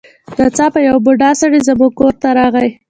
ناڅاپه یو بوډا سړی زموږ کور ته راغی.